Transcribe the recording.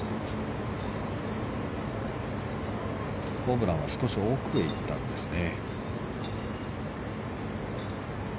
ホブランは少し奥へ行ったんですね。